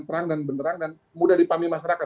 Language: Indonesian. terang dan beneran dan mudah dipahami masyarakat